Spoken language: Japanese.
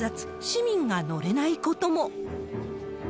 市民が乗れないことも。